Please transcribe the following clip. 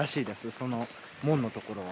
その門のところは。